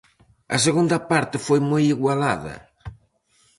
A segunda parte foi moi igualada.